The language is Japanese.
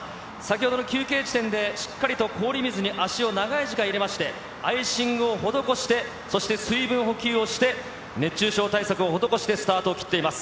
先ほどの休憩地点でしっかりと氷水に足を長い時間入れまして、アイシングを施して、そして水分補給をして、熱中症対策を施してスタートを切っています。